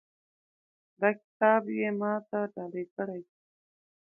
دا کتاب یې ما ته ډالۍ کړی ده